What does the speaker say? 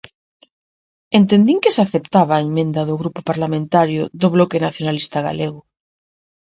Entendín que se aceptaba a emenda do Grupo Parlamentario do Bloque Nacionalista Galego.